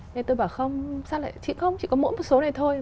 thế tôi bảo không sao lại chị không chị có mỗi một số này thôi